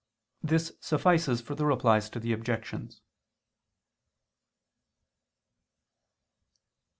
This suffices for the Replies to the Objections.